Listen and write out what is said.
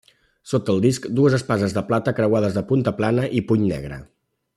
Sota el disc dues espases de plata creuades de punta plana i puny negre.